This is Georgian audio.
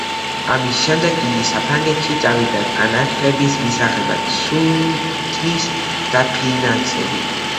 ამის შემდეგ, იგი საფრანგეთში წავიდა განათლების მისაღებად სულთნის დაფინანსებით.